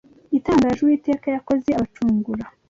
itangaje Uwiteka yakoze abacungura